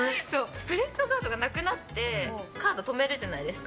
クレジットカードがなくなってカードを止めるじゃないですか。